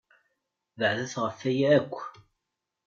Beɛdet ɣef waya akk!